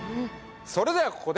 それではここで